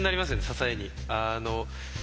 支えに。